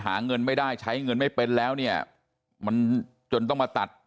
หาเงินไม่ได้ใช้เงินไม่เป็นแล้วเนี่ยมันจนต้องมาตัด